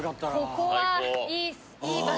ここはいい場所だ。